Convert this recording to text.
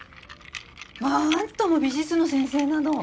まああんたも美術の先生なの？